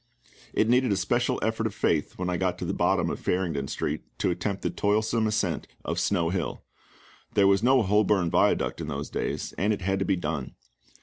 It needed a special effort of faith when I got to the bottom of Farringdon Street to attempt the toilsome ascent of Snow Hill: there was no Holborn Viaduct in those days, and it had to be done.